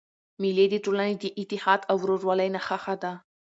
مېلې د ټولني د اتحاد او ورورولۍ نخښه ده.